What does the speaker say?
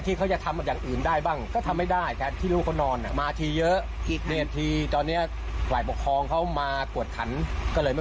ทีนี้ทางด้านของตำรวจว่ายังไง